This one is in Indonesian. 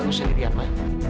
aku aku sendirian ma